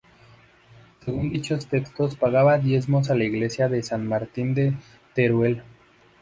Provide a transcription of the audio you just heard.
Según dichos textos pagaba diezmos a la iglesia de San Martín de Teruel.